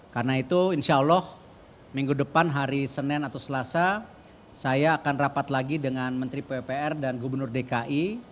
karena itu insya allah minggu depan hari senin atau selasa saya akan rapat lagi dengan menteri ppr dan gubernur dki